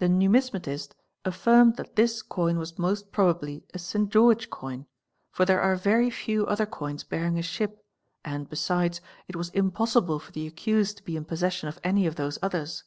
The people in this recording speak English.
The Wimismatist affirmed that this coim was most probably a St. George :, for there are very few other coins bearing a ship and, besides, 152 THE EXPERT it was impossible for the accused to be in possession of any of those others.